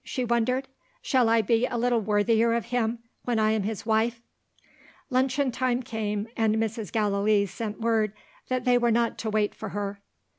she wondered. "Shall I be a little worthier of him, when I am his wife?" Luncheon time came; and Mrs. Gallilee sent word that they were not to wait for her.